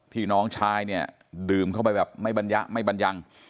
น้องชายเนี่ยดื่มเข้าไปแบบไม่บรรยะไม่บรรยัง